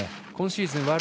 今シーズン